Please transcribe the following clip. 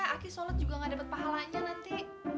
aki sholat juga gak dapat pahalanya nanti